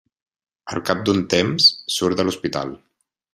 Al cap d'un temps surt de l'hospital.